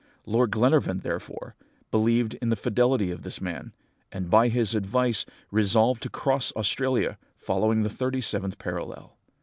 Lord Glenarvan, therefore, believed in the fidelity of this man, and, by his advice, resolved to cross Australia, following the thirty seventh parallel.